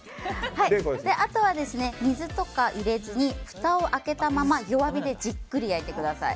あとは、水とかを入れずにふたを開けたまま弱火でじっくり焼いてください。